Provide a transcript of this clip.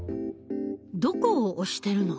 どこを押してるの？